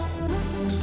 gue lagi sibuk